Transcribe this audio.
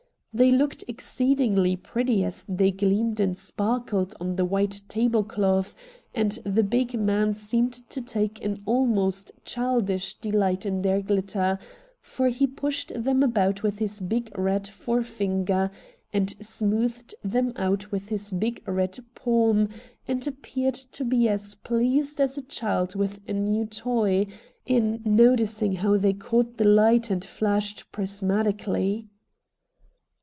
They looked exceedingly pretty as they gleamed and sparkled on the white tablecloth, and the big man seemed to take an almost childish dehglit in their glitter, for he pushed them about with his big red THE MAN FROM AFAR 49 forefinger, and smoothed them out with his big red palm, and appeared to be as pleased as a child with a new toy, in noticing how they caught the hght and flashed prismatic ally.